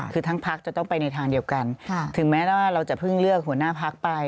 คือทั้งพักจะต้องไปในทางเดียวกันถึงแม้ว่าเราจะเพิ่งเลือกหัวหน้าพักไป